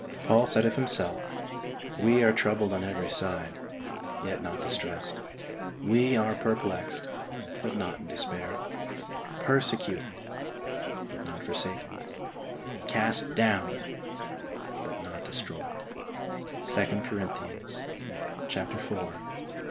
Paul said of himself :" We are troubled on every side, yet not dis tressed ; we are perplexed but not in despair ; persecuted but not forsaken ; cast down but not destroyed " (2 Cor.